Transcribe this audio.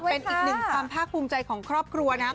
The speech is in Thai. เป็นอีก๑ความภาคภูมิใจของครอบครัวนะ